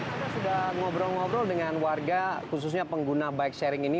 kita sudah ngobrol ngobrol dengan warga khususnya pengguna bike sharing ini